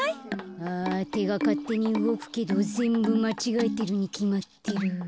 あてがかってにうごくけどぜんぶまちがえてるにきまってる。